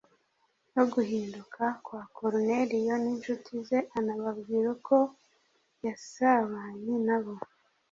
no guhinduka kwa Koruneriyo n’incuti ze anababwira uko yasabanye na bo.